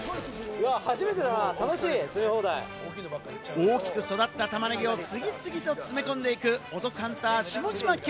大きく育ったタマネギを次々と詰め込んでいく、お得ハンター・下嶋兄。